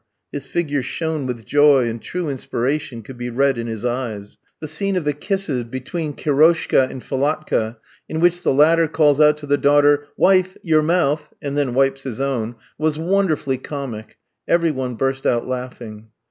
his figure shone with joy, and true inspiration could be read in his eyes. The scene of the kisses between Kiroshka and Philatka, in which the latter calls out to the daughter, "Wife, your mouth," and then wipes his own, was wonderfully comic. Every one burst out laughing.